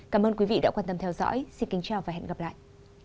cảm ơn quý vị đã quan tâm theo dõi xin kính chào và hẹn gặp lại